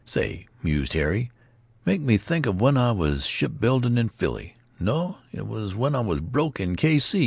"Say," mused Harry, "makes me think of when I was ship building in Philly—no, it was when I was broke in K. C.